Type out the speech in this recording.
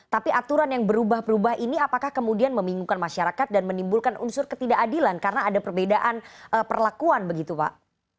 tapi aturan yang berubah berubah ini apakah kemudian membingungkan masyarakat dan menimbulkan unsur ketidakadilan karena ada perbedaan perlakuan begitu pak